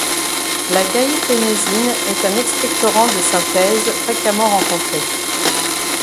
La guaïfénésine est un expectorant de synthèse fréquemment rencontré.